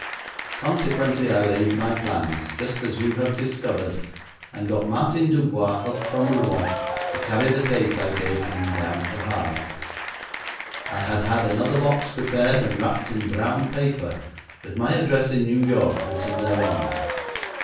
Consequently, I laid my plans, just as you have discovered, and got Martin Dubois up from Rouen to carry the case I gave him down to Havre. I had had another box prepared and wrapped in brown paper, with my address in New York written thereon.